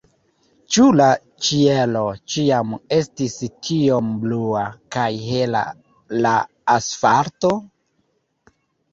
Ĉu la ĉielo ĉiam estis tiom blua, kaj hela la asfalto?